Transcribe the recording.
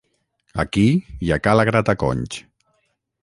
aquí i a ca la grataconys